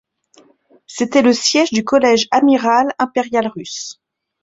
C'était le siège du collège amiral impérial russe.